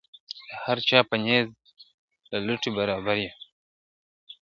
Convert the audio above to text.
د هر چا په نزد له لوټي برابر یم !.